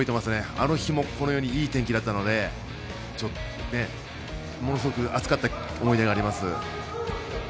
あの日もこのようにいい天気だったのでものすごく暑かった思い出があります。